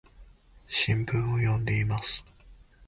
新聞を読んでいます。